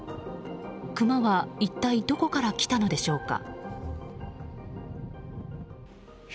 クマは一体どこから来たのでしょうか。